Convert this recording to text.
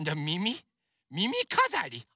みみかざり？